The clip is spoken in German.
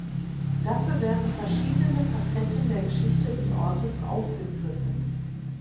Dafür werden verschiedene Facetten der Geschichte des Ortes aufgegriffen.